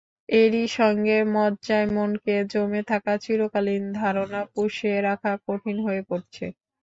এরই সঙ্গে মজ্জায়-মননে জমে থাকা চিরকালীন ধারণা পুষে রাখা কঠিন হয়ে পড়ছে।